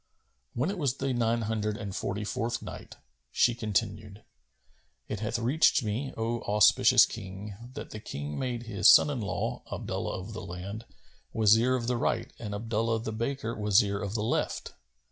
When it was the Nine Hundred and Forty fourth Night, She continued, It hath reached me, O auspicious King, that the King made his son in law, Abdullah of the Land, Wazir of the right and Abdullah the baker Wazir of the left.